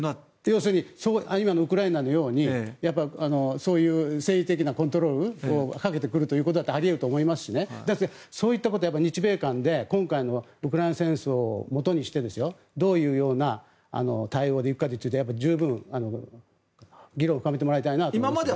要するに今のウクライナのようにそういう政治的なコントロールをかけてくることだってあり得ると思いますしそういったことを日米間で今回のウクライナ戦争をもとにしてどういうような対応で行くかについて十分、議論を深めてもらいたいなと思います。